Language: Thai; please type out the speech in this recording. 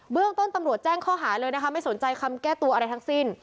เรื่องต้นตำรวจแจ้งข้อหาเลยนะคะไม่สนใจคำแก้ตัวอะไรทั้งสิ้น